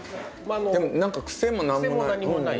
でも癖も何もない。